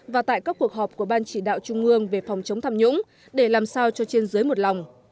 và tại các cuộc họp của ban chỉ đạo trung ương về phòng chống tham nhũng để làm sao cho trên giới một lòng